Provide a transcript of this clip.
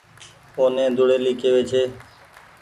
اوني ۮوڙيلي ڪيوي ڇي